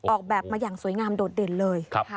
ออกแบบมาอย่างสวยงามโดดเด่นเลย